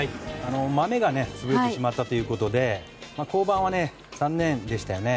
まめが潰れてしまったということで降板は残念でしたよね。